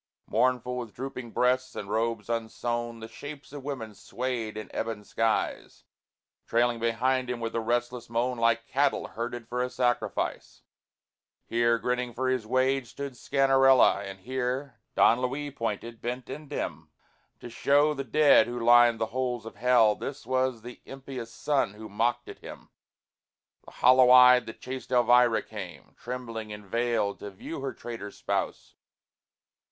Mournful, with drooping breasts and robes unsewn The shapes of women swayed in ebon skies, Trailing behind him with a restless moan Like cattle herded for a sacrifice. Here, grinning for his wage, stood Sganarelle, And here Don Luis pointed, bent and dim, To show the dead who lined the holes of Hell, This was that impious son who mocked at him. The hollow eyed, the chaste Elvira came, Trembling and veiled, to view her traitor spouse.